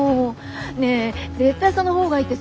ねぇ絶対その方がいいって。